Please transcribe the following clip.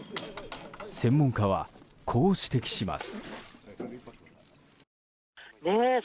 専門家はこう指摘します。